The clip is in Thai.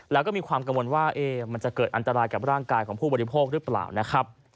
แล้วก็มีความกังวลว่ามันจะเกิดอันตรายกับร่างกายของผู้บริโภคหรือเปล่านะครับ